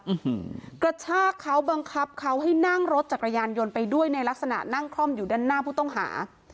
อืมกระชากเขาบังคับเขาให้นั่งรถจักรยานยนต์ไปด้วยในลักษณะนั่งคล่อมอยู่ด้านหน้าผู้ต้องหา